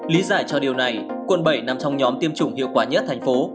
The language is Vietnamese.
lý giải cho điều này quận bảy nằm trong nhóm tiêm chủng hiệu quả nhất thành phố